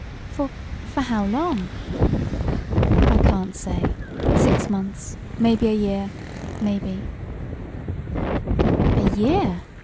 "For for how long?" "I can't say six months maybe a year maybe " "A year!